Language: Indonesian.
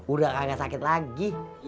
udah gak sakit lagi